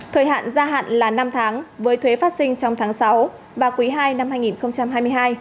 thời hạn gia hạn là năm tháng với thuế phát sinh trong tháng sáu và quý ii năm hai nghìn hai mươi hai